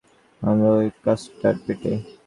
আমরা ওই কার্সটার পেটে!